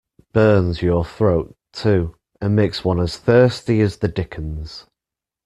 Burns your throat, too, and makes one as thirsty as the dickens.